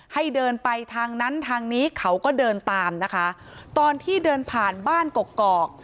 ให้เดินไปทางนั้นทางนี้เขาก็เดินตามนะคะตอนที่เดินผ่านบ้านกกอก